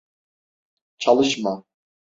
Çalışma…